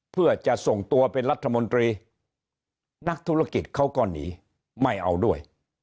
เพื่อจะส่งตัวเป็นรัฐมนตรีนักธุรกิจเขาก็หนีไม่เอาด้วย